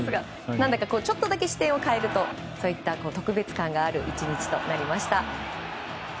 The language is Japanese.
何だかちょっとだけ視点を変えるとそういった特別感がある１日となりました。